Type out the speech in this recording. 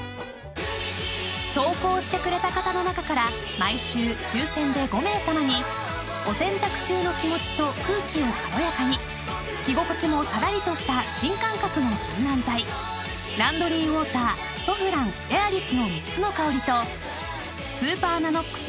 ［投稿してくれた方の中から毎週抽選で５名さまにお洗濯中の気持ちと空気を軽やかに着心地もさらりとした新感覚の柔軟剤ランドリーウォーターソフランＡｉｒｉｓの３つの香りとスーパーＮＡＮＯＸ